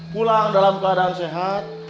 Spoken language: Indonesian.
pulang dalam keadaan sehat